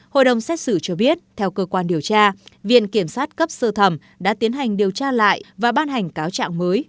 hội đồng xét xử cho biết theo cơ quan điều tra viện kiểm sát cấp sơ thẩm đã tiến hành điều tra lại và ban hành cáo trạng mới